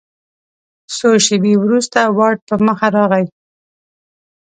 څو شیبې وروسته واټ په مخه راغی.